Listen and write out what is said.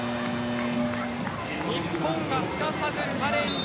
日本がすかさずチャレンジ